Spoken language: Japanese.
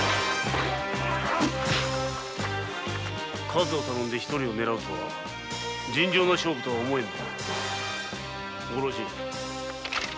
数を頼み一人を狙うとは尋常な勝負とは思えん。